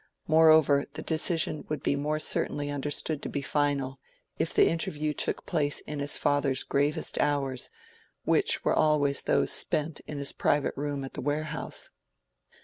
Moreover, the decision would be more certainly understood to be final, if the interview took place in his father's gravest hours, which were always those spent in his private room at the warehouse.